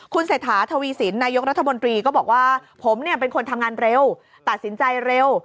คุณเศรษฐาทวีสินนายกรัฐมนตรีก็บอกว่าผมเนี่ยเป็นคนทำงานเร็วตัดสินใจเร็ว